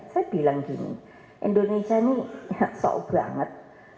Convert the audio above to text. saya bilang gini indonesia ini sou banget